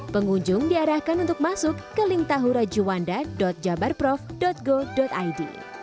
pengunjung diarahkan untuk masuk ke link tahurajuanda jabarprov go id